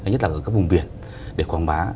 nhất là ở các vùng biển để quảng bá